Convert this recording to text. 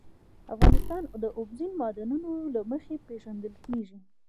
افغانستان د اوبزین معدنونه له مخې پېژندل کېږي.